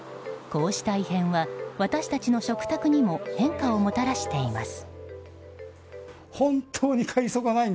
こうした異変は私たちの食卓にも変化をもたらしています。